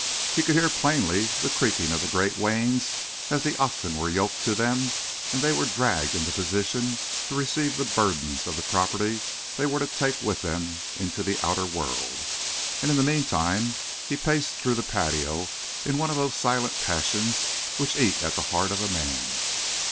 He could hear plainly the creaking of the great wains as the oxen were yoked to them and they were dragged into position to receive the burdens of the property they were to take with them into the outer world. And, in the meantime, he paced through the patio in one of those silent passions which eat at the heart of a man.